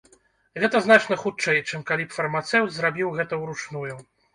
Гэта значна хутчэй, чым калі б фармацэўт зрабіў гэта ўручную.